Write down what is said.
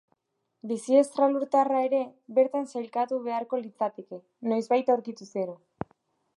Bizi estralurtarra ere bertan sailkatu beharko litzateke, noizbait aurkituz gero.